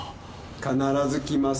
必ず来ます。